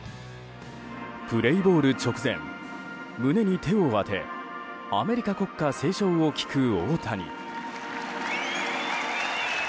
プレーボール直前胸に手を当てアメリカ国歌斉唱を聞く大谷。